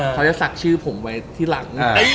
เขาจะสักชื่อผมไว้ที่หลัง